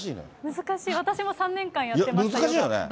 難しい、私も３年間やってましたけど。